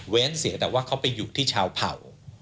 เสียแต่ว่าเขาไปอยู่ที่ชาวเผ่า